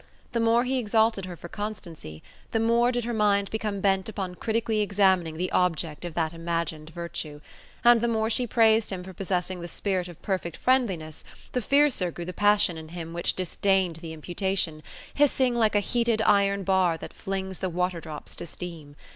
The more he exalted her for constancy, the more did her mind become bent upon critically examining the object of that imagined virtue; and the more she praised him for possessing the spirit of perfect friendliness, the fiercer grew the passion in him which disdained the imputation, hissing like a heated iron bar that flings the waterdrops to steam.